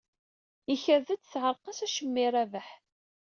Ikad-d teɛreq-as acemma i Rabaḥ.